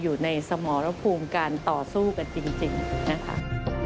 อยู่ในสมรภูมิการต่อสู้กันจริงนะคะ